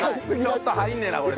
「ちょっと入んねえなこれ」。